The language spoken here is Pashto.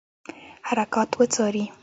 حرکات وڅاري.